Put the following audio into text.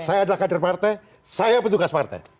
saya adalah kader partai saya petugas partai